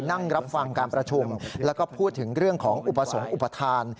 นั่งรับฟังการประชุมแล้วก็พูดถึงเรื่องของอุปสรรคอุปทาน